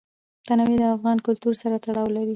تنوع د افغان کلتور سره تړاو لري.